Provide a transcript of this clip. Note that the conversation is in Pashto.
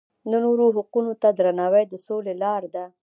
د نورو حقونو ته درناوی د سولې لاره ده.